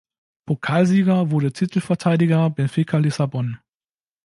Pokalsieger wurde Titelverteidiger Benfica Lissabon.